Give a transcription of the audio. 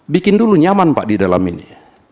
bikin dulu nyaman pak di dalam ini